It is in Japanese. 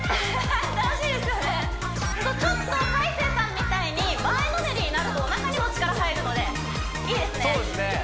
ちょっと海青さんみたいに前のめりになるとおなかにも力入るのでいいですね